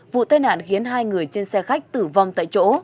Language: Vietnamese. vụ tai nạn khiến hai người trên xe khách tử vong tại chỗ